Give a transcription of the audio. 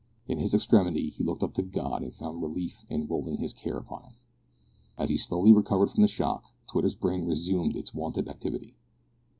In his extremity, he looked up to God and found relief in rolling his care upon Him. As he slowly recovered from the shock, Twitter's brain resumed its wonted activity.